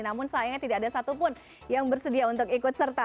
namun sayangnya tidak ada satupun yang bersedia untuk ikut serta